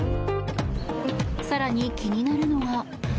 更に、気になるのが。